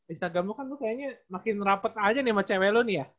instagram lo kan kayaknya makin rapet aja nih sama cewe lo nih ya